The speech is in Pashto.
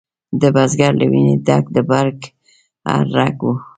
د بزګر له ویني ډک د برګ هر رګ و